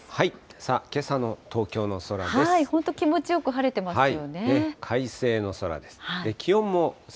さあ、けさの東京の空です。